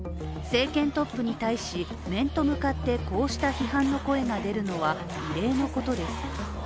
政権トップに対し、面と向かってこうした批判の声が出るのは異例のことです。